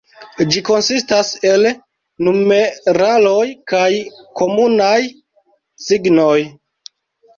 Ĝi konsistas el numeraloj kaj komunaj signoj.